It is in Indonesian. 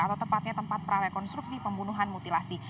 atau tepatnya tempat prarekonstruksi pembunuhan mutilasi